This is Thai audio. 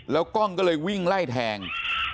แล้วกล้องก็เลยวิ่งไล่แทง